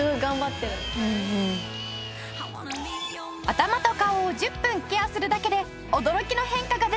頭と顔を１０分ケアするだけで驚きの変化が出たぞ！